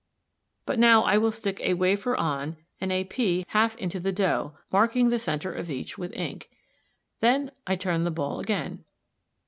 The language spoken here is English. But now I will stick a wafer on, and a pea half into, the dough, marking the centre of each with ink. Then I turn the ball again.